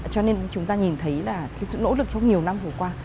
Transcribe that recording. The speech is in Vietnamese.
cho nên chúng ta nhìn thấy là cái sự nỗ lực trong nhiều năm vừa qua